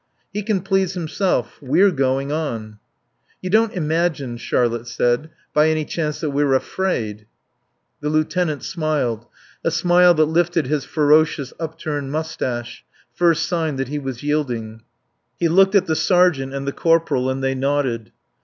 "He can please himself. We're going on." "You don't imagine," Charlotte said, "by any chance that we're afraid?" The lieutenant smiled, a smile that lifted his ferocious, upturned moustache: first sign that he was yielding. He looked at the sergeant and the corporal, and they nodded.